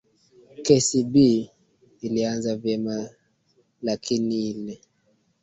kcb ilianza vyema lakini ile